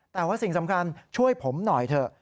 แต่ว่าสิ่งสำคัญช่วยผมหน่อยเถอะ